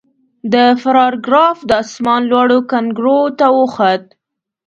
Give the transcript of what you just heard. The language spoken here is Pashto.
د فرار ګراف د اسمان لوړو کنګرو ته وخوت.